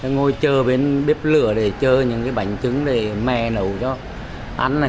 ngồi chơi bên bếp lửa để chơi những cái bánh trứng để mẹ nấu cho ăn này